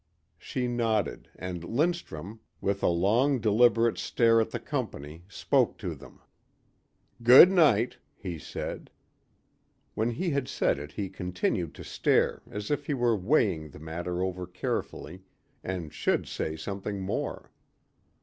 She nodded and Lindstrum, with a long, deliberate stare at the company spoke to them. "Good night," he said. When he had said it he continued to stare as if he were weighing the matter over carefully and should say something more.